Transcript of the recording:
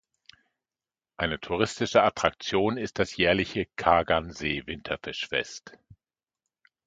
Eine touristische Attraktion ist das jährliche "Qagan-See-Winterfischfest".